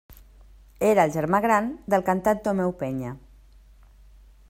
Era el germà gran del cantant Tomeu Penya.